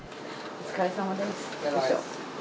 お疲れさまです。